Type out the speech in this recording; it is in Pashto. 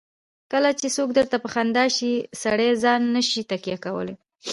کله چې څوک درته په خندا شي سړی ځان نه شي تکیه کولای.